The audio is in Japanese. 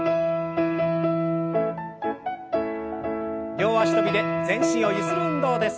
両脚跳びで全身をゆする運動です。